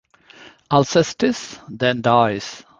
Alcestis then dies.